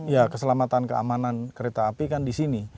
ya keselamatan keamanan kereta api kan di sini